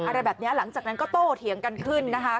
อะไรแบบนี้หลังจากนั้นก็โตเถียงกันขึ้นนะคะ